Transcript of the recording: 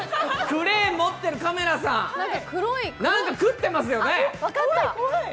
クレーン持ってるカメラさん、何か食ってますよね。